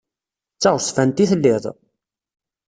D taɣezfant i telliḍ?